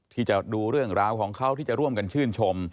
ที่จะดูเรื่องราวของเขาที่จะร่วมกันชื่นชม